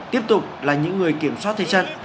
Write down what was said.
tiếp tục là những người kiểm soát thế trận